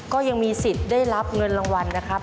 ก็ยังมีสิทธิ์ได้รับเงินรางวัลนะครับ